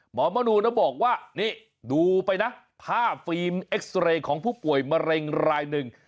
หมอมนูนะบอกว่านี่ดูไปนะภาพฟิล์มเอ็กซ์เรย์ของผู้ป่วยมะเร็งรายหนึ่ง